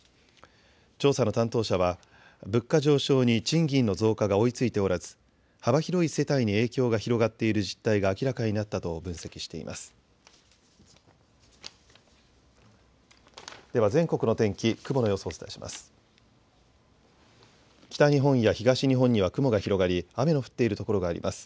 調査の担当者は物価上昇に賃金の増加が追いついておらず幅広い世帯に影響が広がっている実態が明らかになったと分析しています。